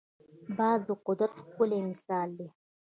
باز د قدرت ښکلی مثال دی